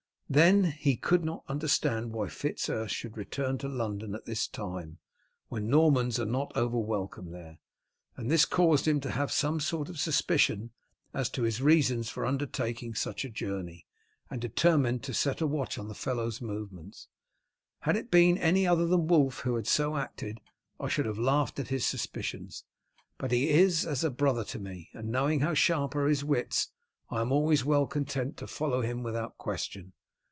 Then, he could not understand why Fitz Urse should return to London at this time, when Normans are not overwelcome there, and this caused him to have some sort of suspicion as to his reasons for undertaking such a journey, and determined him to set a watch on the fellow's movements. Had it been any other than Wulf who had so acted I should have laughed at his suspicions. But he is as a brother to me, and knowing how sharp are his wits I am always well content to follow him without question.